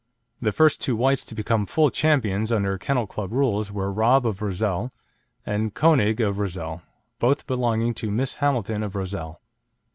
The first two whites to become full champions under Kennel Club rules were Rob of Rozelle and Konig of Rozelle, both belonging to Miss Hamilton of Rozelle.